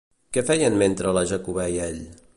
Què feien mentre la Jacobè i ell?